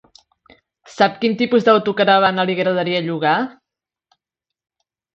Sap quin tipus d'autocaravana li agradaria llogar?